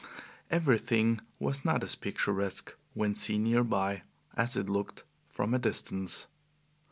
Everything was not as picturesque, when seen near by, as it looked from a distance.